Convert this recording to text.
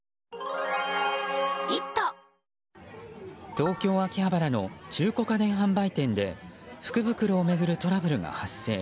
東京・秋葉原の中古家電販売店で福袋を巡るトラブルが発生。